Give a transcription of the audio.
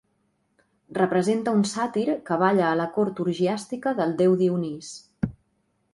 Representa un sàtir que balla a la cort orgiàstica del déu Dionís.